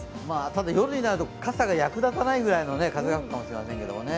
ただ夜になると傘が役立たないくらいの風が吹くかも知れませんけどね。